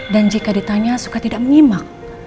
dan jika ditanya suka tidak menyimak